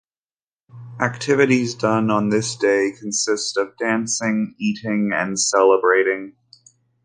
Activities done on this day consist of dancing, eating, and celebrating.